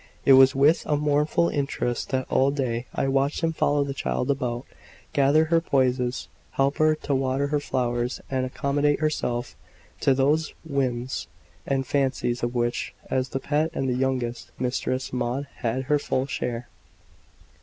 It was with a mournful interest that all day I watched him follow the child about, gather her posies, help her to water her flowers, and accommodate himself to those whims and fancies, of which, as the pet and the youngest, Mistress Maud had her full share.